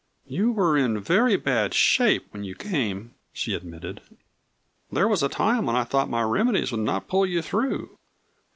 "You were in very bad shape when you came," she admitted. "There was a time when I thought my remedies would not pull you through.